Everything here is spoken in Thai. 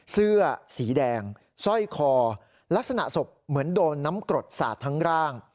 เสื้อสีแดงสร้อยคอลักษณะศพเหมือนโดนน้ำกรดสาดทั้งร่าง